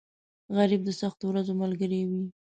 غریب د سختو ورځو ملګری وي